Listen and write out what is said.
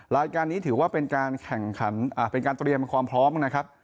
รายการนี้ถือว่าเป็นการแข่งขันเป็นการเตรียมความพร้อมนะครับ